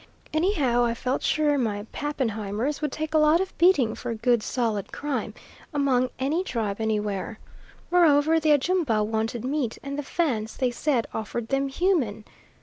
Anyhow, I felt sure my Pappenheimers would take a lot of beating for good solid crime, among any tribe anywhere. Moreover, the Ajumba wanted meat, and the Fans, they said, offered them human.